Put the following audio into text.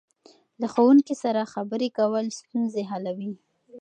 له ښوونکي سره خبرې کول ستونزې حلوي.